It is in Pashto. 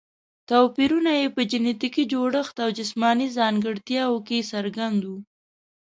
توپیرونه یې په جینټیکي جوړښت او جسماني ځانګړتیاوو کې څرګند وو.